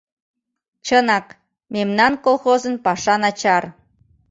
Чынак, мемнан колхозын паша начар.